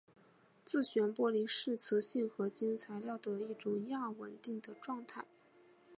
自旋玻璃是磁性合金材料的一种亚稳定的状态。